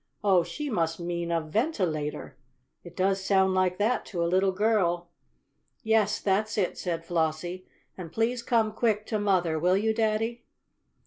"Oh, she must mean a ventilator. It does sound like that to a little girl." "Yes, that's it," said Flossie. "And please come quick to mother, will you, Daddy?"